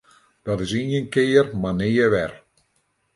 Dat is ien kear mar nea wer!